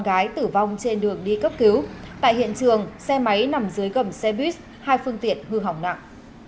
gái tử vong trên đường đi cấp cứu tại hiện trường xe máy nằm dưới gầm xe buýt hai phương tiện hư hỏng nặng